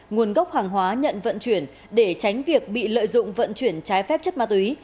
nguồn gốc hàng hóa nhận vận chuyển để tránh việc bị lợi dụng vận chuyển trái phép chất ma túy